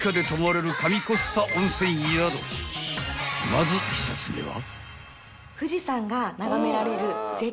［まず１つ目は］